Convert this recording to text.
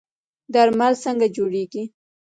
درمل څنګه جوړیږي؟